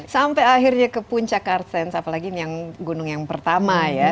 sampai akhirnya ke puncak kartan spiramid apalagi ini gunung yang pertama ya